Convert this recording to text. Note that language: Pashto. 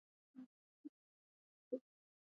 ښارونه د افغانستان د ځانګړي ډول جغرافیه استازیتوب کوي.